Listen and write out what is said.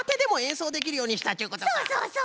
そうそうそう！